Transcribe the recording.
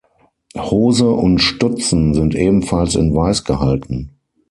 Hose und Stutzen sind ebenfalls in Weiß gehalten.